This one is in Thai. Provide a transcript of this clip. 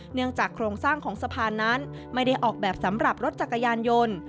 เนื่องจากโครงสร้างของสะพานนั้นไม่ได้ออกแบบสำหรับรถจักรยานยนต์